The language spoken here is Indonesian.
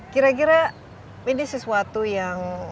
kira kira ini sesuatu yang